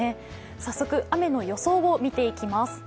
早速、雨の予想を見ていきます。